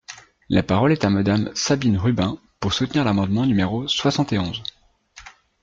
La parole est à Madame Sabine Rubin, pour soutenir l’amendement numéro soixante et onze.